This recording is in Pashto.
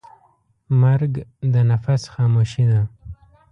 مرګ د نفس خاموشي ده.